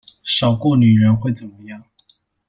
少過女人會怎麼樣？